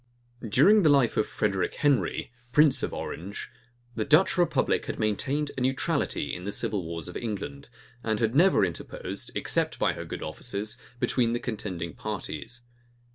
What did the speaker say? During the life of Frederic Henry, prince of Orange, the Dutch republic had maintained a neutrality in the civil wars of England, and had never interposed, except by her good offices, between the contending parties.